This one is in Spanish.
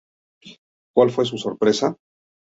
Cual fue su sorpresa.